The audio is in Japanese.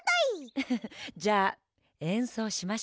ウフフ。じゃあえんそうしましょうか。